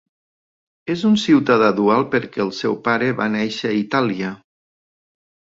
És un ciutadà dual perquè el seu pare va néixer a Itàlia.